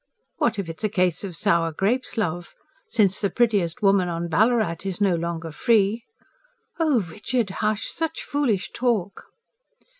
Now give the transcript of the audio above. "What if it's a case of sour grapes, love? Since the prettiest woman on Ballarat is no longer free...." "Oh, Richard, hush! Such foolish talk!"